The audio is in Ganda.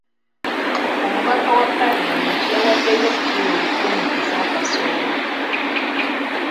Omubaka wa paalamenti yawaddeyo kilo lukumi ez'akasooli.